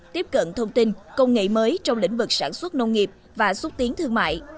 tiếp cận thông tin công nghệ mới trong lĩnh vực sản xuất nông nghiệp và xúc tiến thương mại